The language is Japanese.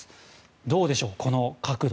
どうでしょう、この角度。